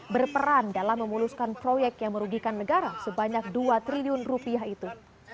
berperan dalam memuluskan proyek yang merugikan negara sebanyak dua triliun rupiah itu